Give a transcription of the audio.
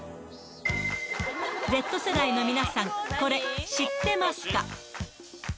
Ｚ世代の皆さん、これ知ってますか？